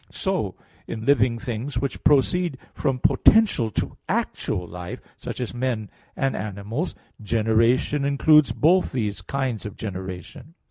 So in living things, which proceed from potential to actual life, such as men and animals, generation includes both these kinds of generation.